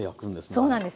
そうなんです。